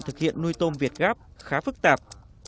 thực hiện nuôi tôm việt gáp khá phức tạp